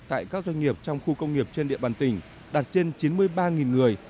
tại các doanh nghiệp trong khu công nghiệp trên địa bàn tỉnh đạt trên chín mươi ba người